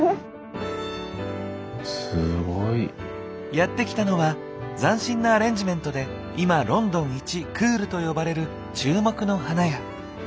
やって来たのは斬新なアレンジメントで今ロンドン一クールと呼ばれる注目の花屋。